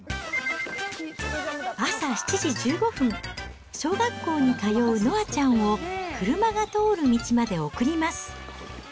朝７時１５分、小学校に通うのあちゃんを、車が通る道まで送ります。